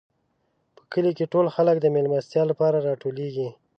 په کلي کې ټول خلک د مېلمستیا لپاره راټولېږي.